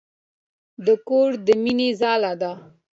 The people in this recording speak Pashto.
د کور د مينې ځاله ده.